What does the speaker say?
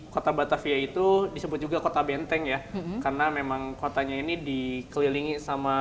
kota batavia itu disebut juga kota benteng ya karena memang kotanya ini dikelilingi sama